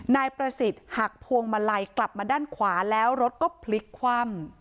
นายประสิทธิ์หักพวงมาลัยกลับมาด้านขวาแล้วรถก็พลิกคว่ำ